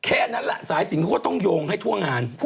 แค่นั้นแหละสายสินเขาก็ต้องโยงให้ทั่วงาน